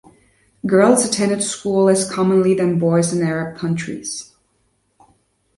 Girls attended school less commonly than boys in Arab countries.